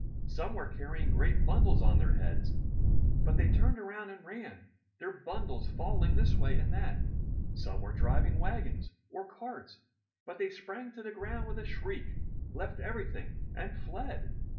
Some were carrying great bundles on their heads, but they turned around and ran, their bundles falling this way and that. Some were driving wagons or carts, but they sprang to the ground with a shriek, left everything, and fled.